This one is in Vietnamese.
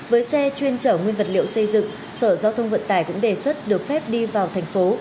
với xe chuyên chở nguyên vật liệu xây dựng sở giao thông vận tải cũng đề xuất được phép đi vào thành phố